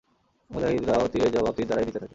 মুজাহিদরাও তীরের জবাব তীর দ্বারাই দিতে থাকে।